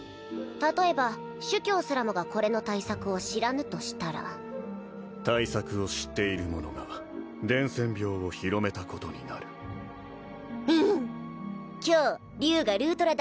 例えば主教すらもがこれの対策を知らぬとしたら対策を知っている者が伝染病を広めたことになる今日竜がルートラ